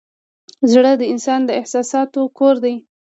زړه د انسان د احساساتو کور دی.